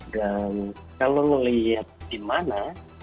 dan kalau melihat di mana